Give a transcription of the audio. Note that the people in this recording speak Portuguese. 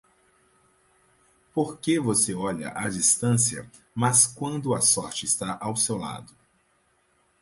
Por que você olha à distância, mas quando a sorte está ao seu lado.